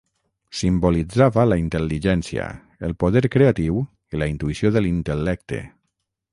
Simbolitzava la intel·ligència, el poder creatiu i la intuïció de l'intel·lecte.